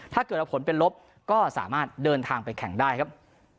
ถ้าเกิดว่าผลเป็นลบก็สามารถเดินทางไปแข่งได้ครับ